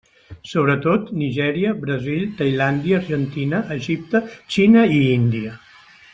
Sobretot Nigèria, Brasil, Tailàndia, Argentina, Egipte, Xina i Índia.